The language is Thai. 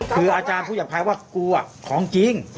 คืออาจารย์พูดอย่างใครว่ากูอ่ะของจริง